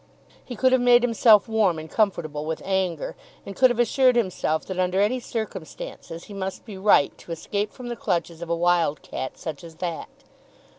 He could have made himself warm and comfortable with anger, and could have assured himself that under any circumstances he must be right to escape from the clutches of a wild cat such as that.